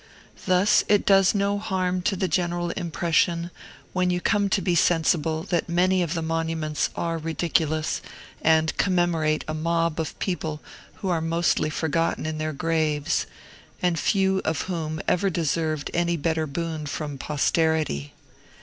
Thus it does no harm to the general impression, when you come to be sensible that many of the monuments are ridiculous, and commemorate a mob of people who are mostly forgotten in their graves, and few of whom ever deserved any better boon from posterity.